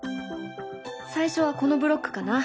最初はこのブロックかな。